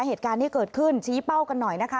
เหตุการณ์ที่เกิดขึ้นชี้เป้ากันหน่อยนะคะ